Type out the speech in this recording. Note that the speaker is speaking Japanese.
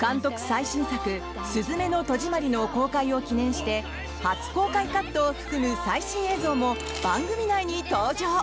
最新作「すずめの戸締まり」の公開を記念して初公開カットを含む最新映像も番組内に登場。